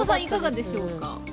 いかがでしょうか？